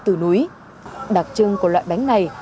từ núi đặc trưng của loại bánh này